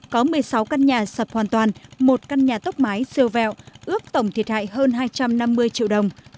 có một mươi sáu căn nhà sập hoàn toàn một căn nhà tốc mái siêu vẹo ước tổng thiệt hại hơn hai trăm năm mươi triệu đồng